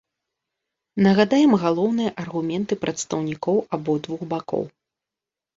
Нагадаем галоўныя аргументы прадстаўнікоў абодвух бакоў.